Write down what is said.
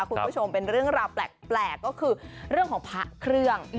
คุณผู้ชมเป็นเรื่องราวแปลกก็คือเรื่องของพระเครื่อง